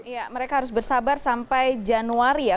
ya mereka harus bersabar sampai januari ya